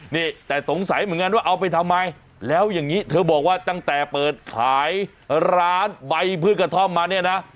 นี่แต่สงสัยเหมือนกันว่าเอาไปทำไมแล้วอย่างนี้เธอบอกว่าตั้งแต่เปิดขายร้านใบพืชกระท่อมมาเนี่ยนะ